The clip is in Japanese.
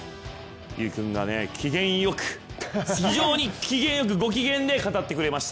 有君が機嫌良く非常に機嫌良くご機嫌で語ってくれました。